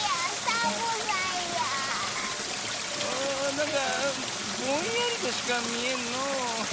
なんかぼんやりとしかみえんのう。